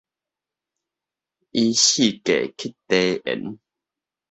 伊四界去題緣